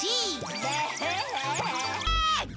ダハハハ。